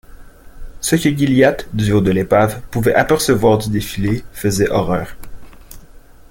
Ce que Gilliatt, du haut de l’épave, pouvait apercevoir du défilé, faisait horreur.